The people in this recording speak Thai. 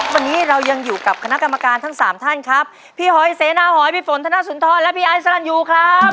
วันนี้เรายังอยู่กับคณะกรรมการทั้งสามท่านครับพี่หอยเสนาหอยพี่ฝนธนสุนทรและพี่ไอ้สลันยูครับ